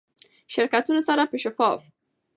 شرکتونو سره به شفاف،